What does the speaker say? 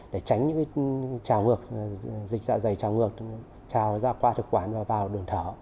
để tránh những trào ngược dịch dạ dày trào ngược trào ra qua thực quản và vào đường thở